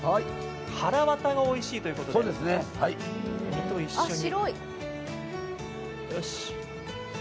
はらわたがおいしいということで、身と一緒に。